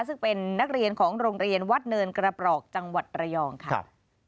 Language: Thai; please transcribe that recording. ซึ่งเป็นนักเรียนของโรงเรียนวัดเนินกระปรอกจังหวัดระยองค่ะ